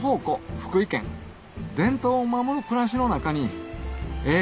福井県伝統を守る暮らしの中にええ